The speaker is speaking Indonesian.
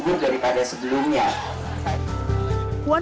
masyarakat yang kemudian membutuhkan rentuan